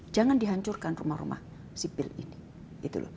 jangan dihancurkan rumah rumah sipil ini